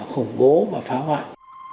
khủng bố và phá hoại